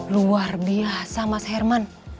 luar biasa mas herman